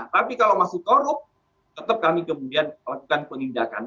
tapi kalau masih korup tetap kami kemudian lakukan penindakan